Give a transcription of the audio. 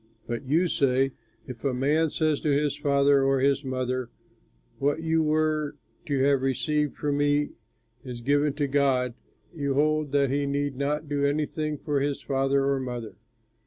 But you say, 'If a man says to his father or to his mother, What you were to have received from me is given to God,' you hold that he need not do anything for his father or mother.